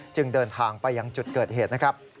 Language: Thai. เดินทางไปยังจุดเกิดเหตุนะครับ